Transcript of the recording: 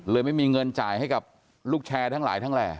ไม่มีเงินจ่ายให้กับลูกแชร์ทั้งหลายทั้งแหล่